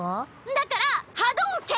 だから波動拳！